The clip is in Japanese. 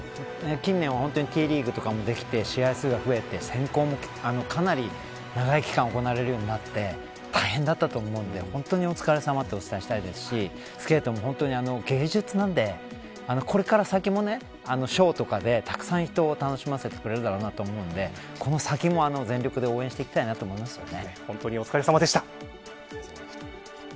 近年はＴリーグとかもできて試合数が増えて選考もかなり長い期間行われるようになって大変だったと思うので本当にお疲れさまとお伝えしたいですしスケートも、芸術なのでこれから先も、ショーとかでたくさん人を楽しませてくれるだろうと思うのでこの先も全力で応援していきたいなと思いますね。